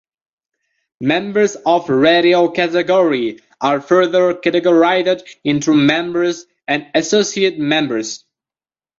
Members of radio category are further categorized into members and associate members.